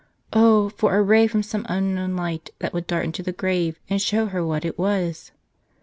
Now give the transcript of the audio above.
Oh, for a ray from some unknown light, that would dart into the grave, and show her what it was